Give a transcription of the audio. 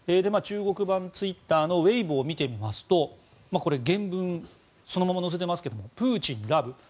中国版ツイッターのウェイボーを見てみますと原文そのまま載せていますがプーチンラブ。